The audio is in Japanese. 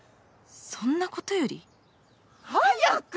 そんなことより？早く！